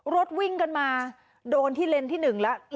รถวิ่งกันมาโดนที่เลนส์ที่๑แล้ว